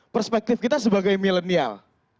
perspektif kita sebagai milenial